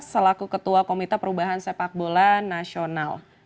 selaku ketua komite perubahan sepak bola nasional